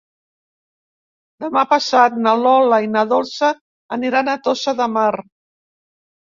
Demà passat na Lola i na Dolça aniran a Tossa de Mar.